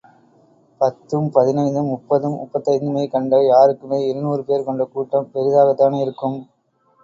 பத்தும் பதினைந்தும், முப்பதும் முப்பத்தைந்துமே கண்ட யாருக்குமே இருநூறு பேர் கொண்ட கூட்டம் பெரிதாகத்தானே இருக்கும்.